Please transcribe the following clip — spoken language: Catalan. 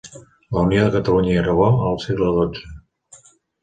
La unió de Catalunya i Aragó al segle dotze.